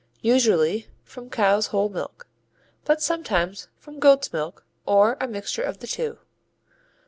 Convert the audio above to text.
Usually from cow's whole milk, but sometimes from goat's milk or a mixture of the two.